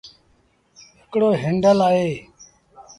هڪڙو هينڊل اهي۔